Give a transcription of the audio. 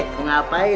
eh eh ngapain